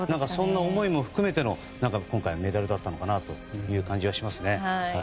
そんな思いも含めての今回メダルだったのかなという感じがしますね。